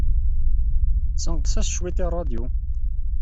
Ssenqes-as cwiṭ i ṛṛadyu.